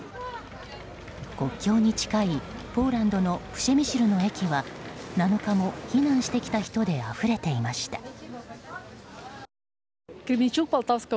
国境に近いポーランドのプシェミシルの駅は７日も避難してきた人であふれていました。